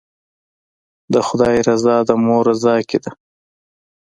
د خدای رضا د مور رضا کې ده.